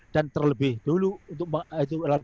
dan terlebih dahulu untuk menghalang